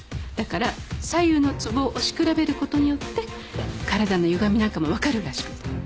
だから左右のつぼを押し比べることによって体のゆがみなんかも分かるらしくて。